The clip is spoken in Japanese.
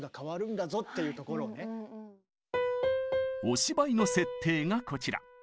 お芝居の設定がこちら。